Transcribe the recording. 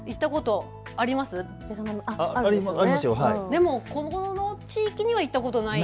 でもこの地域には行ったことがない。